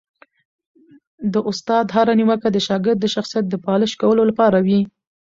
د استاد هره نیوکه د شاګرد د شخصیت د پالش کولو لپاره وي.